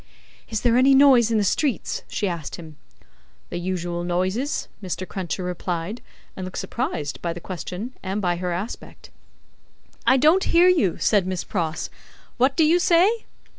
"Is there any noise in the streets?" she asked him. "The usual noises," Mr. Cruncher replied; and looked surprised by the question and by her aspect. "I don't hear you," said Miss Pross. "What do you say?"